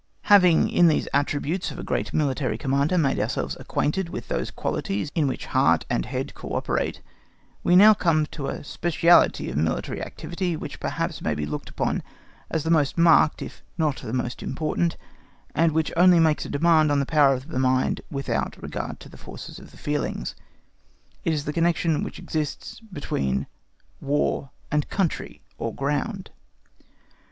Having in these high attributes of a great military Commander made ourselves acquainted with those qualities in which heart and head co operate, we now come to a speciality of military activity which perhaps may be looked upon as the most marked if it is not the most important, and which only makes a demand on the power of the mind without regard to the forces of feelings. It is the connection which exists between War and country or ground.